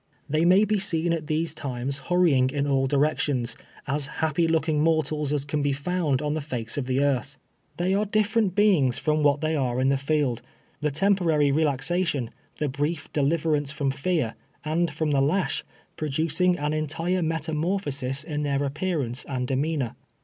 They may be seen at these times hurrying in all di rections, as happy looking mortals as can bo found on the face of the earth. Thcv are different beings from what they are in the field ; the temporary re laxation, the brief deliverance from fear, and from the lash, producing an entire metamorphosis in their aj^pearance and demeanor.